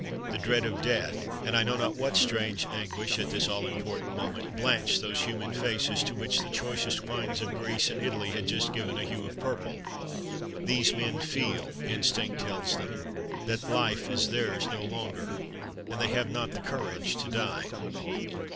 The dread of death, and I know not what strange anguish at this all important moment, blanch those human faces, to which the choicest wines of Greece and Italy had just given a hue of purple. These men feel instinct tells them that life is theirs no longer, and they have not the courage to die!